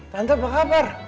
tante apa kabar